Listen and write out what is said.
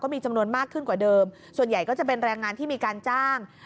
มีจำนวนมากขึ้นกว่าเดิมส่วนใหญ่ก็จะเป็นแรงงานที่มีการจ้าง